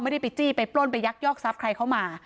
ไม่ได้ไปจี้ไปปล้นไปยักยอกทรัพย์ใครเข้ามา